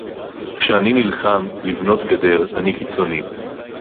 כשאני נלחם לבנות גדר אני קיצוני